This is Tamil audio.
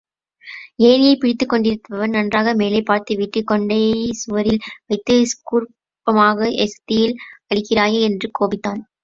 ஏணியைப் பிடித்துக்கொண்டிருந்தவன், நன்றாக மேலே பார்த்துவிட்டு கொண்டையை சுவரில் வைத்துக் கூர்ப்பக்கமாக சுத்தியால் அடிக்கிறாயே என்று கோபித்தான்.